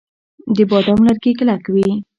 د بادام لرګي کلک وي.